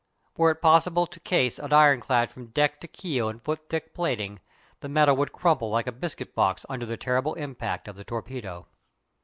Were it possible to case an ironclad from deck to keel in foot thick plating, the metal would crumple like a biscuit box under the terrible impact of the torpedo.